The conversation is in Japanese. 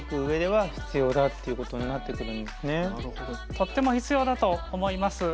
とっても必要だと思います。